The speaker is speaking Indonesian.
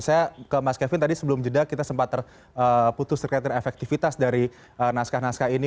saya ke mas kevin tadi sebelum jeda kita sempat terputus terkait dengan efektivitas dari naskah naskah ini